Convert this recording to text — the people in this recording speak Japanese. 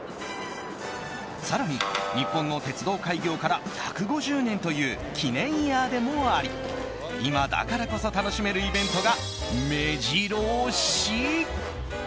更に、日本の鉄道開業から１５０年という記念イヤーでもあり今だからこそ楽しめるイベントが目白押し。